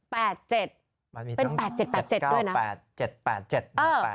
เป็น๘๗๘๗ด้วยนะ